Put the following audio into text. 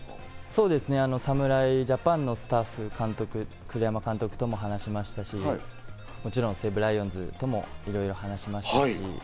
そうですね、侍ジャパンのスタッフ、そして栗山監督とも話ましたし、もちろん西武ライオンズともいろいろ話しました。